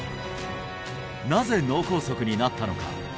なぜ脳梗塞になったのか？